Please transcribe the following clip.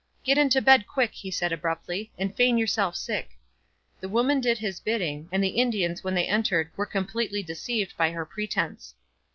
'Get into bed quick,' he said abruptly, 'and feign yourself sick.' The woman did his bidding, and the Indians when they entered were completely deceived by her pretence.